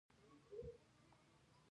شیدې ماشوم قوي کوي